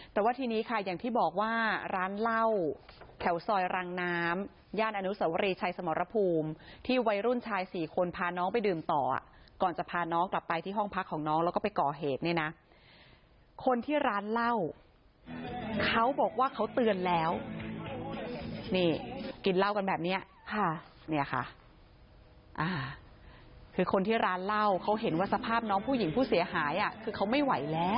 แต่ว่าทีนี้ค่ะอย่างที่บอกว่าร้านเหล้าแถวซอยรังน้ำย่านอนุสวรีชัยสมรภูมิที่วัยรุ่นชายสี่คนพาน้องไปดื่มต่อก่อนจะพาน้องกลับไปที่ห้องพักของน้องแล้วก็ไปก่อเหตุเนี่ยนะคนที่ร้านเหล้าเขาบอกว่าเขาเตือนแล้วนี่กินเหล้ากันแบบนี้ค่ะเนี่ยค่ะคือคนที่ร้านเหล้าเขาเห็นว่าสภาพน้องผู้หญิงผู้เสียหายคือเขาไม่ไหวแล้ว